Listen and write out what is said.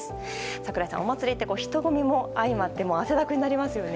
櫻井さん、お祭りって人混みも相まって汗だくになりますよね。